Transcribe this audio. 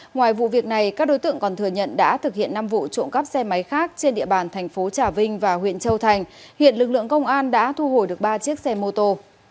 ngoài vụ việc này các đối tượng còn thừa nhận đã thực hiện năm vụ trộm cắp xe máy khác trên địa bàn thành phố trà vinh và huyện châu thành hiện lực lượng công an đã thu hồi được ba chiếc xe mô tô